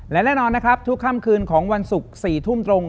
และแน่นอนนะครับทุกค่ำคืนของวันศุกร์๔ทุ่มตรง